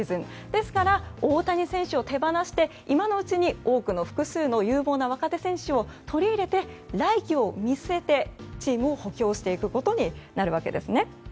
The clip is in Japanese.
ですから、大谷選手を手放して今のうちに多くの複数の有望な若手選手を取り入れて来季を見据えてチームを補強していくことになるわけですね。